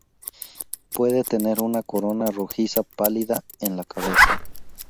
Puede tener una corona rojiza pálida en la cabeza.